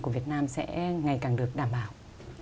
của việt nam sẽ ngày càng được đảm bảo